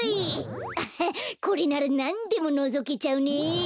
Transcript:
アハッこれならなんでものぞけちゃうね。